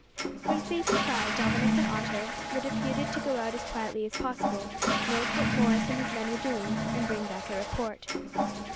When safe inside, Dominick and Otto were deputed to go out as quietly as possible, note what Morris and his men were doing, and bring back a report.